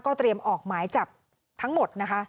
เตรียมออกหมายจับทั้งหมดนะคะ